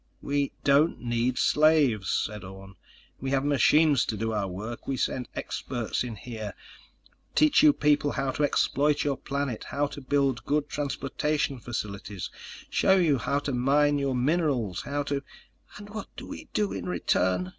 "We don't need slaves," said Orne. "We have machines to do our work. We'll send experts in here, teach you people how to exploit your planet, how to build good transportation facilities, show you how to mine your minerals, how to—" "And what do we do in return?"